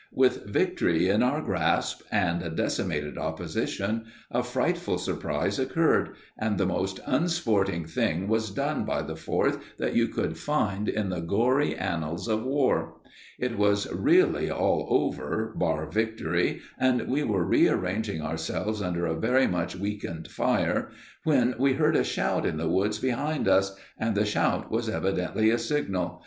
With victory in our grasp, and a decimated opposition, a frightful surprise occurred, and the most unsporting thing was done by the Fourth that you could find in the gory annals of war. It was really all over, bar victory, and we were rearranging ourselves under a very much weakened fire, when we heard a shout in the woods behind us, and the shout was evidently a signal.